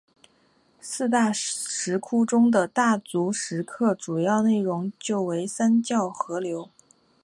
四大石窟中的大足石刻主要内容就为三教合流。